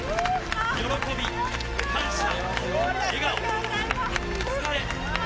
喜び感謝笑顔疲れ。